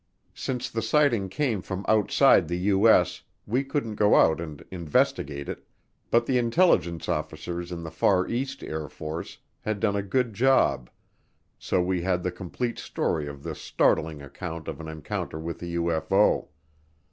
Since the sighting came from outside the U.S., we couldn't go out and investigate it, but the intelligence officers in the Far East Air Force had done a good job, so we had the complete story of this startling account of an encounter with a UFO.